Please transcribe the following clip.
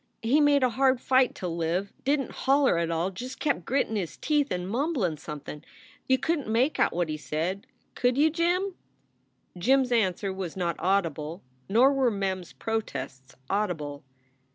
He made a hard fight to live. Didn t holler at tall just kept grittin his teeth and mumblin somethin . You couldn t make out what he said. Could you, Jim?" Jim s answer was not audible. Nor were Mem s protests audible.